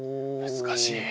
難しい。